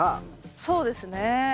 そうですね。